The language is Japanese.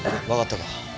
分かったか？